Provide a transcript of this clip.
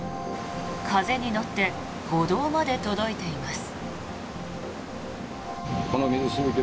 風に乗って歩道まで届いています。